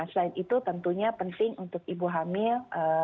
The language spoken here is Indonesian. selain itu tentunya penting untuk ibu hamil